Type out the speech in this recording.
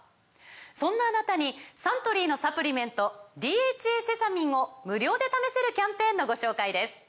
そんなあなたにサントリーのサプリメント「ＤＨＡセサミン」を無料で試せるキャンペーンのご紹介です